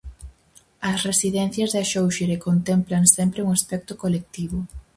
As residencias de Axóuxere contemplan sempre un aspecto colectivo.